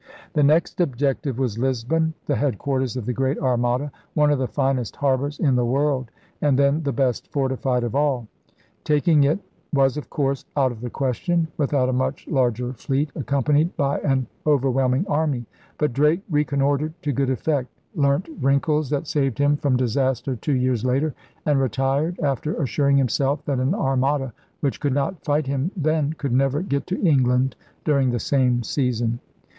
The next objective was Lisbon, the headquarters of the Great Armada, one of the finest harbors in the world, and then the best fortified of all Tak DRAKE CLIPS THE WINGS OF SPAIN 169 ing it was, of course, out of the question without a much larger fleet accompanied by an overwhelm ing army. But Drake reconnoitred to good effect, learnt wrinkles that saved him from disaster two years later, and retired after assuring himself that an Armada which could not fight him then could never get to England during the same season.